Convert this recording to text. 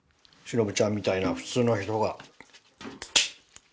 忍ちゃんみたいな普通の人が。